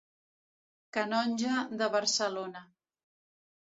Canonge de Barcelona.